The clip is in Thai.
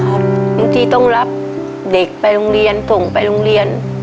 บางทีต้องรับเด็กไปโรงเรียนส่งไปโรงเรียน